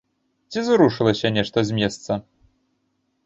Ці зрушылася нешта з месца?